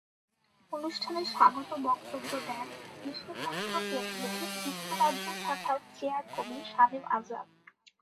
অনুষ্ঠানে স্বাগত বক্তব্য দেন বিশ্বসাহিত্য কেন্দ্রের যুক্তরাজ্য শাখার চেয়ার কবি শামীম আজাদ।